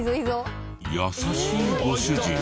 優しいご主人。